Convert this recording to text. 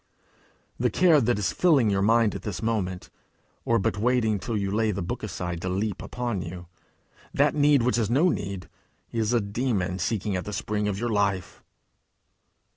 The care that is filling your mind at this moment, or but waiting till you lay the book aside to leap upon you that need which is no need, is a demon sucking at the spring of your life.